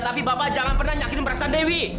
tapi bapak jangan pernah yakinin perasaan dewi